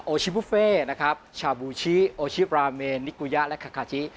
ชิบุฟเฟ่นะครับชาบูชิโอชิปราเมนนิกุยะและคาชิ